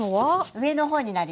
上の方になります。